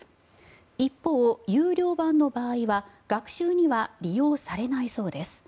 一方、有料版の場合は学習には利用されないそうです。